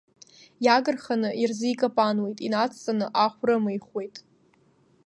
Иагырханы ирзикапануеит, инацҵаны ахә рымихәеит.